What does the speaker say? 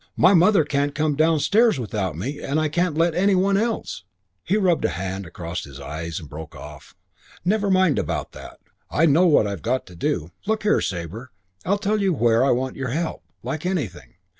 My mother can't come downstairs without me and can't let any one else " He rubbed a hand across his eyes and broke off. "Never mind about that; I know what I've got to do. Look here, Sabre, I tell you where I want your help, like anything.